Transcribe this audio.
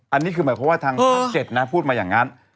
อันนี้คือหมายความว่าทางภาค๗นะพูดมาอย่างนั้น